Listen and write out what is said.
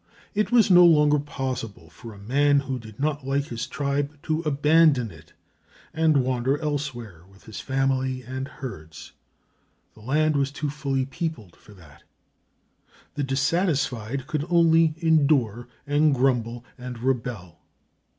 It was no longer possible for a man who did not like his tribe to abandon it and wander elsewhere with his family and herds. The land was too fully peopled for that. The dissatisfied could only endure and grumble and rebel.